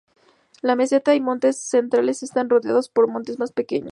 La meseta y montes centrales están rodeados por montes más pequeños.